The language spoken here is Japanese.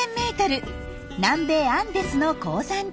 南米アンデスの高山地帯。